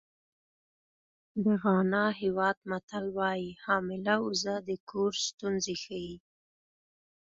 د غانا هېواد متل وایي حامله اوزه د کور ستونزې ښیي.